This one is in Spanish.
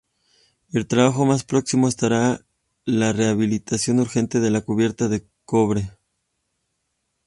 El trabajo más próximo estará la rehabilitación urgente de la cubierta de cobre.